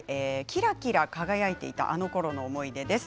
キラキラ輝いていたあのころの思い出です。